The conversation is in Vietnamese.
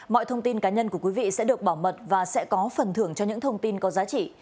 mọi thông tin cá nhân của quý vị sẽ được bảo mật và sẽ có phần thưởng cho những thông tin có giá trị